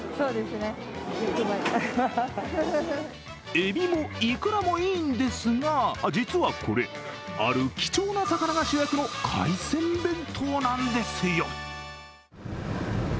えびもいくらもいいんですが実はこれある貴重な魚が主役の海鮮弁当なんですよ。